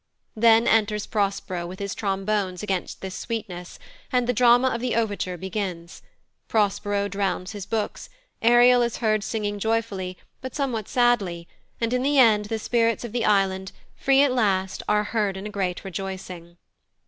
Then enters Prospero with his trombones against this sweetness, and the drama of the overture begins Prospero drowns his books, Ariel is heard singing joyfully, but somewhat sadly, and, in the end, the spirits of the island, free at last, are heard in a great rejoicing.